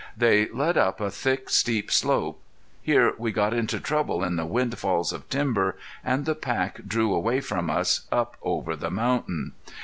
They led up a thick, steep slope. Here we got into trouble in the windfalls of timber and the pack drew away from us, up over the mountain.